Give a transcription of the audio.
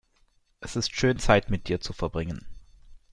Es ist schön, Zeit mit dir zu verbringen.